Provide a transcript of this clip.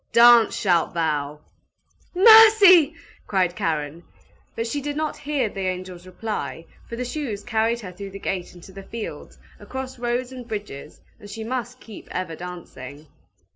Dance shalt thou !" "Mercy!" cried Karen. But she did not hear the angel's reply, for the shoes carried her through the gate into the fields, across roads and bridges, and she must keep ever dancing.